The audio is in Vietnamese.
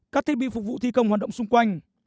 các thiết bị phục vụ thi công hoạt động xung quanh